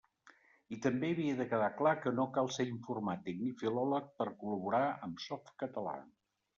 I també havia de quedar clar que no cal ser informàtic ni filòleg per a col·laborar amb Softcatalà.